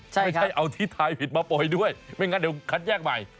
ไม่ใช่เอาที่ทายผิดมาโปรยด้วยไม่งั้นเดี๋ยวคัดแยกใหม่